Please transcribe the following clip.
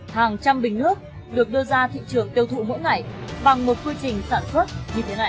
hàng trăm bình nước được đưa ra thị trường tiêu thụ mỗi ngày bằng một quy trình sản xuất như thế này